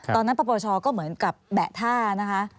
ตอนนั้นประเมินกันว่าก็เหมือนกับแบะท่านะคะ